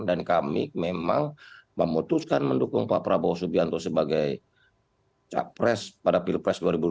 dan kami memang memutuskan mendukung pak prabowo subianto sebagai capres pada pilpres dua ribu dua puluh empat